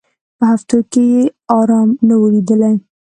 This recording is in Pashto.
په هفتو کي یې آرام نه وو لیدلی